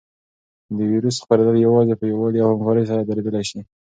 د وېروس خپرېدل یوازې په یووالي او همکارۍ سره درېدلی شي.